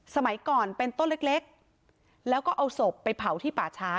สมัยก่อนเป็นต้นเล็กแล้วก็เอาศพไปเผาที่ป่าช้า